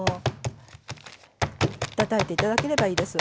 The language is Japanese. たたいて頂ければいいです。